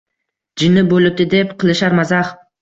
Jinni bo’libdi deb qilishar mazax.